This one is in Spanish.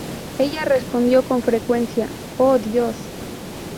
Ella respondió con frecuencia: "¡Oh, Dios!